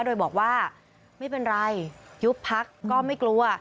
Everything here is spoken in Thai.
โดยบอกว่าไม่เป็นไรยุบพักก็ไม่กลัว